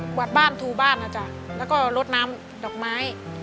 กวาดบ้านทูบ้านแล้วก็ลดน้ำดอกไม้